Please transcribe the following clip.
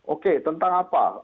oke tentang apa